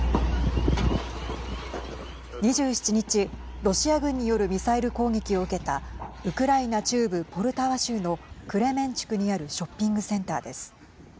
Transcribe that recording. ２７日、ロシア軍によるミサイル攻撃を受けたウクライナ中部ポルタワ州のクレメンチュクにあるショッピングセンターです。